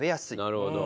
なるほど。